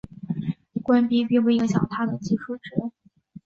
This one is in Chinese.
关闭并不影响它的计数值。